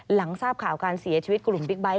หลังทราบข่าวการเสียชีวิตกลุ่มบิ๊กไทท